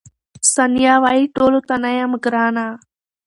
ثانیه وايي، ټولو ته نه یم ګرانه.